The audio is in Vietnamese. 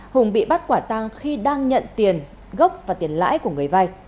hùng bị bắt quả tăng khi đang nhận tiền gốc và tiền lãi của người vai